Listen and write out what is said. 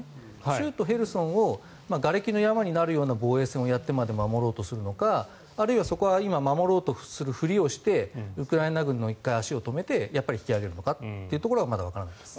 州都ヘルソンをがれきの山になるような防衛戦になってまで守ろうとするのかあるいはそこは今、守ろうとするふりをしてウクライナ軍の１回、足を止めてやっぱり引き揚げるのかというところはまだわからないです。